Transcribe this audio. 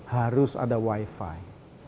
harus ada wifi